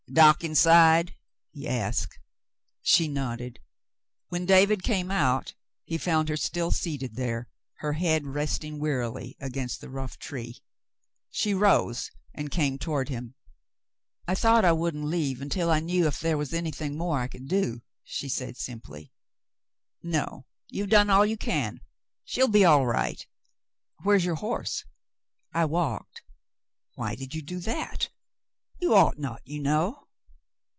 "Doc inside.^" he asked. She nodded. When David came out, he found her still seated there, her head resting wearily against the rough tree. She rose and came toward him. "I thought I wouldn't leave until I knew if there was anything more I could do," she said simply. "No, you've done all you can. She'll be all right. Where's your horse ?" "I walked." "Why did you do that ? You ought not, you know."